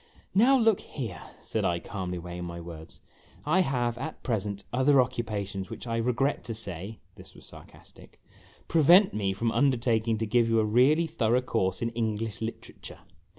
" Now, look here," said I, calmly weighing my words, " I have, at present, other occupations which, I regret to say," this was sar castic, " prevent me from undertaking to give you a really thorough course in English literature.